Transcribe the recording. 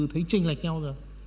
thấy tranh lệch nhau rồi